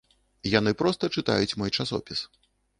Яны проста чытаюць мой часопіс.